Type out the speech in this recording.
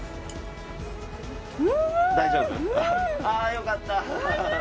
あよかった！